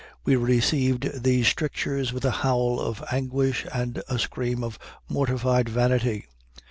We received these strictures with a howl of anguish and a scream of mortified vanity.